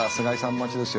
待ちですよ